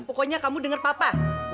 pokoknya kamu dengar papa